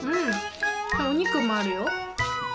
おにくもあるよ。